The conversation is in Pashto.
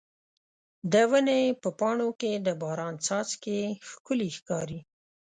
د ونې په پاڼو کې د باران څاڅکي ښکلي ښکاري.